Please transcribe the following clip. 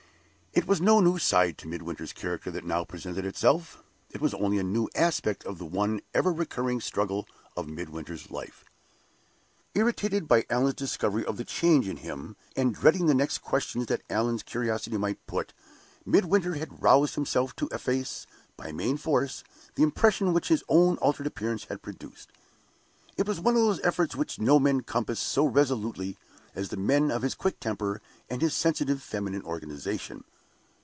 It was no new side to Midwinter's character that now presented itself it was only a new aspect of the one ever recurring struggle of Midwinter's life. Irritated by Allan's discovery of the change in him, and dreading the next questions that Allan's curiosity might put, Midwinter had roused himself to efface, by main force, the impression which his own altered appearance had produced. It was one of those efforts which no men compass so resolutely as the men of his quick temper and his sensitive feminine organization.